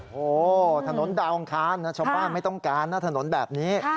โอ้โหถนนดาวอังคารชาวบ้านไม่ต้องการนะถนนแบบนี้